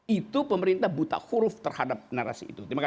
itu pemerintah buta huruf terhadap narasi itu